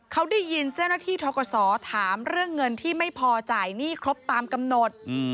เขาได้ยินเจ้าหน้าที่ทกศถามเรื่องเงินที่ไม่พอจ่ายหนี้ครบตามกำหนด